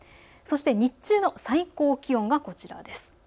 そして日中の最高気温がこちらです。